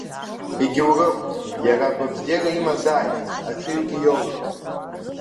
Егьаурым, иара агәабзиара имазааит, аҽыҩгьы иоуп!